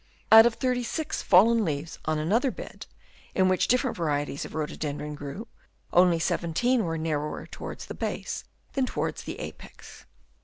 Out of 36 fallen leaves on another bed, in which different varieties of the Rhododendron grew, only 17 were narrower towards the base than towards the apex.